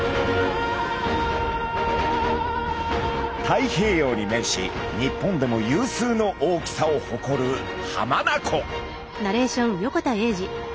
太平洋に面し日本でも有数の大きさをほこる浜名湖。